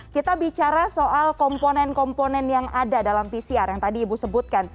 kita bicara soal komponen komponen yang ada dalam pcr yang tadi ibu sebutkan